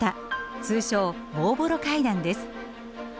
通称ボーヴォロ階段です。